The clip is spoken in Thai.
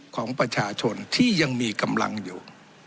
ของประชาชนที่ยังมีกำลังอยู่